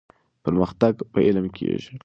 پرمختګ په علم کيږي.